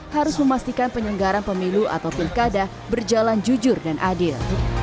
harus memastikan penyelenggaran pemilu atau pilkada berjalan jujur dan adil